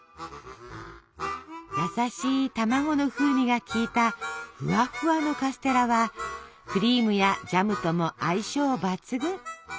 優しい卵の風味が利いたフワフワのカステラはクリームやジャムとも相性抜群。